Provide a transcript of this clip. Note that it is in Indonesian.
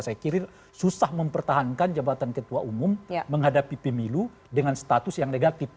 saya kira susah mempertahankan jabatan ketua umum menghadapi pemilu dengan status yang negatif